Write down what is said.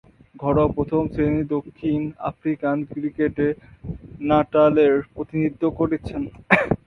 ঘরোয়া প্রথম-শ্রেণীর দক্ষিণ আফ্রিকান ক্রিকেটে নাটালের প্রতিনিধিত্ব করেছেন।